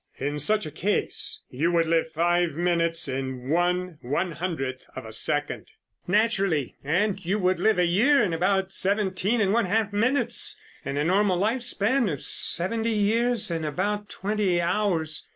In such a case you would live five minutes in one one hundredth of a second." "Naturally, and you would live a year in about seventeen and one half minutes, and a normal lifespan of seventy years in about twenty hours.